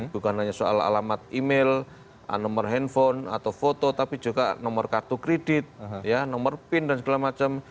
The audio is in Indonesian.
bukan hanya soal alamat email nomor handphone atau foto tapi juga nomor kartu kredit nomor pin dan segala macam